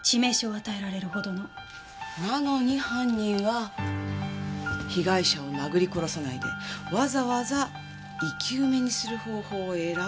なのに犯人は被害者を殴り殺さないでわざわざ生き埋めにする方法を選んだってわけ？